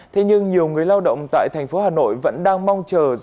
thế nhưng nhiều người lao động tại thành phố hà nội vẫn đang mong chờ